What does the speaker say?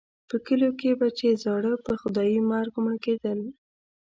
په کلیو کې به چې زاړه په خدایي مرګ مړه کېدل.